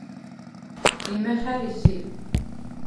იმე ხა̈რი სი?